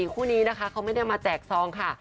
คู่นี้นะคะเขาไม่ได้มาแจกซองค่ะ